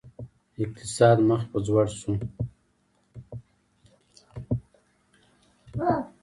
اقتصاد مخ په ځوړ شو